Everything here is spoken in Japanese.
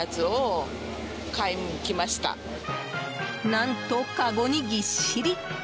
何と、かごにぎっしり！